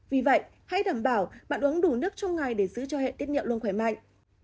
vì vậy hãy đảm bảo bạn uống đủ nước trong ngày để giữ cho hệ tiết niệu luôn khỏe mạnh